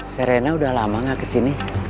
serena udah lama gak kesini